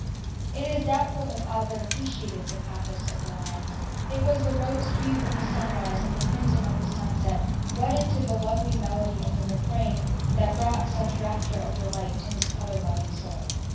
It is doubtful if Albert appreciated the pathos of the lines. It was the rose hue of the sunrise and the crimson of the sunset, wedded to the lovely melody of the refrain, that brought such rapture of delight to his color loving soul.